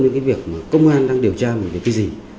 những việc công an đang điều tra về cái gì